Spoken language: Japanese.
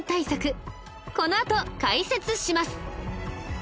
このあと解説します。